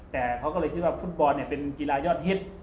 แต่เขาก็เลยคิดว่าฟุตบอลเป็นกีฬายอดฮิต